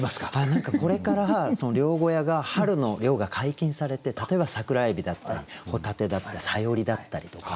何かこれからその漁小屋が春の漁が解禁されて例えば桜エビだったりホタテだったりサヨリだったりとか。